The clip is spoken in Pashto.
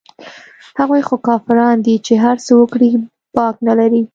هغوى خو کافران دي چې هرڅه وکړي باک نه لري.